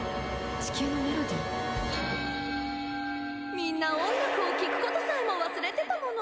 みんな音楽を聴くことさえも忘れてたもの。